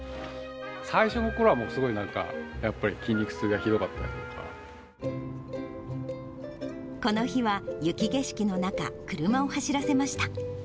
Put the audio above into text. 最初のころは、すごいなんかやっぱり筋肉痛がひどかったりとこの日は、雪景色の中、車を走らせました。